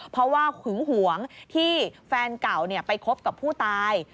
เพราะว่าหึงหวงที่แฟนเก่าไปคบกับผู้ตาย